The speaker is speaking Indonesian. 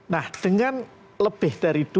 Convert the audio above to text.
nah dengan lebih dari